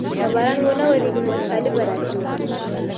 که باران ونه ورېږي نو وچکالي به راشي.